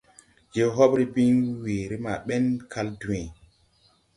Je hobre bin weere maa bɛn kal dwęę.